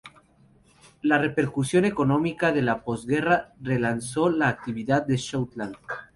La recuperación económica de la posguerra relanzó la actividad de "Southland".